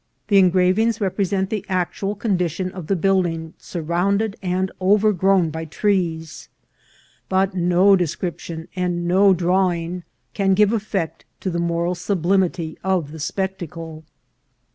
The engravings represent the actual condition of the building, surrounded and overgrown by trees, but no description and no draw ing can give effect to the moral sublimity of the spec tacle.